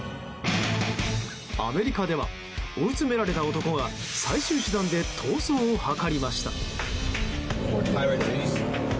アメリカでは追い詰められた男が最終手段で逃走を図りました。